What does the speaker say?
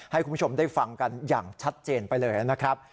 ให้คุณผู้ชมได้ฟังกันอย่างชัดเจนไปเลยนะครับ